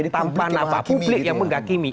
tanpa nama publik yang mengakimi